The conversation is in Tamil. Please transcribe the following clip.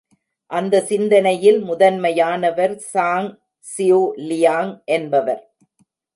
அந்த சிந்தனையில் முதன்மையானவர் சாங் சியூ லியாங் என்பவர்.